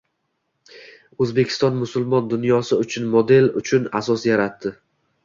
Oʻzbekiston musulmon dunyosi uchun model uchun asos yaratdi.